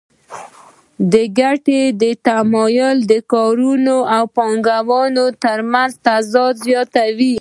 د ګټې تمایل د کارګرانو او پانګوالو ترمنځ تضاد زیاتوي